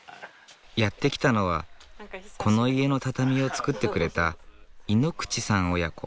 やって来たのはこの家の畳を作ってくれた井ノ口さん親子。